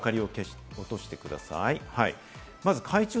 ちょっと明かりを落としてください。